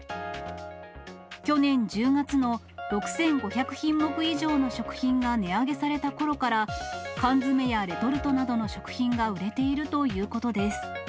去年１０月の６５００品目以上の食品が値上げされたころから、缶詰やレトルトなどの食品が売れているということです。